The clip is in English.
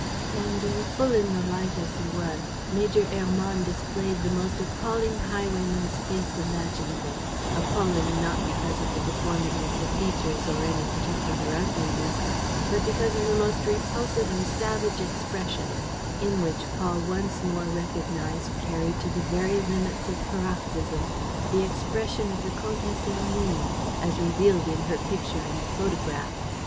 Standing full in the light as he was, Major Hermann displayed the most appalling highwayman's face imaginable, appalling not because of the deformity of the features or any particular ugliness, but because of the most repulsive and savage expression, in which Paul once more recognized, carried to the very limits of paroxysm, the expression of the Comtesse Hermine, as revealed in her picture and the photograph.